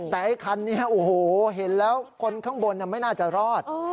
แต่ไอ้คันนี้โอ้โหเห็นแล้วคนข้างบนไม่น่าจะรอด